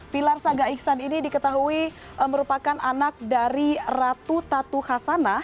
pilar saga ihsan ini diketahui merupakan anak dari ratu tatu khasana